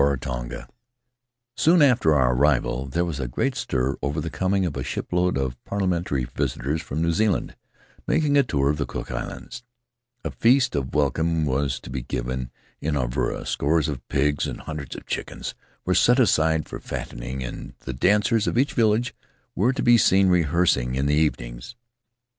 Faery Lands of the South Seas Soon after our arrival there was a great stir over the coming of a shipload of parliamentary visitors from New Zealand, making a tour of the Cook Islands; a feast of welcome was to be given in Avarua, scores of pigs and hundreds of chickens were set aside for fattening, and the dancers of each village were to be seen rehears ing in the evenings.